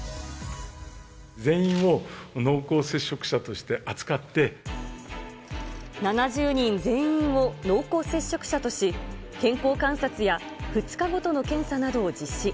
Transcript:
全員を濃厚接触者として扱っ７０人全員を濃厚接触者とし、健康観察や、２日ごとの検査などを実施。